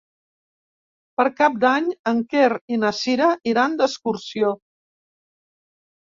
Per Cap d'Any en Quer i na Cira iran d'excursió.